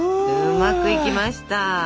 うまくいきました！